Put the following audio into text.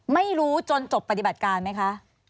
ไม่รู้จนจบปฏิบัติการไหมคะ